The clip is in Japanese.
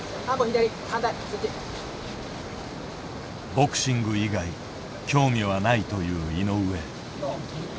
ボクシング以外興味はないという井上。